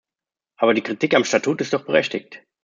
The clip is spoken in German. Aber die Kritik am Statut ist doch berechtigt.